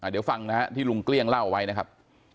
เดี๋ยวฟังนะฮะที่ลุงเกลี้ยงเล่าไว้นะครับ